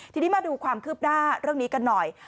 ทีนี้มาดูความคืบหน้าเรื่องนี้กันหน่อย